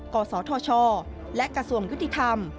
กศธชและกระทรวงยุติธรรม